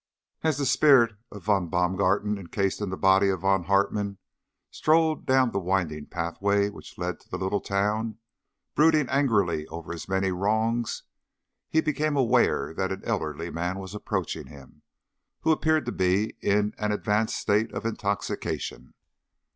As the spirit of Von Baumgarten encased in the body of Von Hartmann strode down the winding pathway which led down to the little town, brooding angrily over his many wrongs, he became aware that an elderly man was approaching him who appeared to be in an advanced state of intoxication.